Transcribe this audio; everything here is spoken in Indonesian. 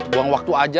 buang waktu aja